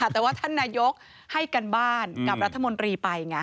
แต่ว่าท่านนายกให้การบ้านกับรัฐมนตรีไปไง